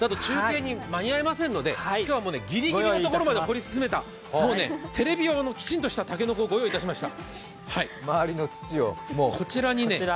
中継に間に合いませんので今日はギリギリのところまで掘り進めた、テレビ用のきちんとしたたけのこご用意しました。